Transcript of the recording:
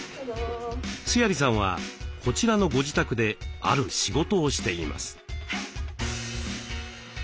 須鑓さんはこちらのご自宅である仕事をしています。